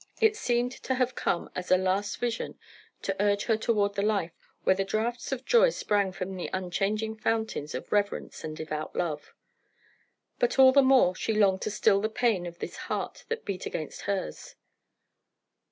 It seemed to have come as a last vision to urge her toward the life where the draughts of joy sprang from the unchanging fountains of reverence and devout love. But all the more she longed to still the pain of this heart that beat against hers.